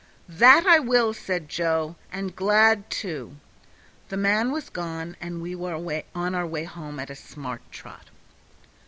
"That I will," said Joe, "and glad too." The man was gone, and we were on our way home at a smart trot.